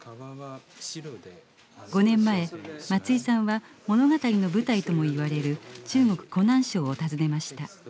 ５年前松居さんは物語の舞台ともいわれる中国・湖南省を訪ねました。